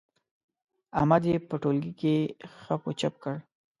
احمد يې په ټولګي کې خپ و چپ کړ.